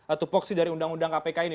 atau voksi dari undang undang kpk ini